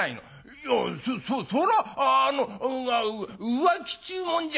「いやそそらあの浮気っちゅうもんじゃねえんだ。